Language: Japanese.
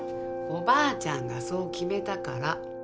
おばあちゃんがそう決めたから。